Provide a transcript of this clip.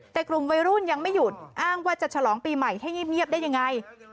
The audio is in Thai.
แต่กลุ่มวัยรุ่นยังไม่หยุดอ้างว่าจะฉลองปีใหม่ให้เงียบได้ยังไง